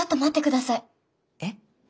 えっ？